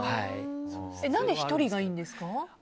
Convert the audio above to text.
何で、１人がいいんですか？